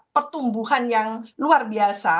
pertumbuhan yang luar biasa